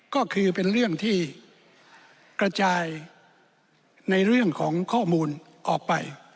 ก็คือเป็นเรื่องที่กระจายในเรื่องของข้อมูลออกไป